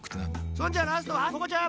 そんじゃラストはここちゃん。